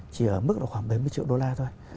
chỉ ở mức là khoảng bảy mươi triệu đô la thôi